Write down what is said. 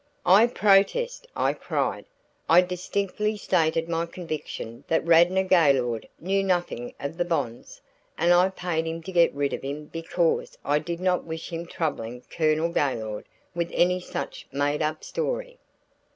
"I protest!" I cried. "I distinctly stated my conviction that Radnor Gaylord knew nothing of the bonds, and I paid him to get rid of him because I did not wish him troubling Colonel Gaylord with any such made up story."